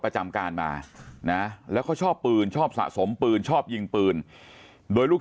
ประจำการมานะแล้วเขาชอบปืนชอบสะสมปืนชอบยิงปืนโดยลูก